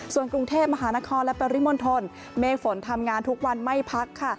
ส่วนกรุงเทพมหานครและปริมณฑลเมฝนทำงานทุกวันไม่พักค่ะ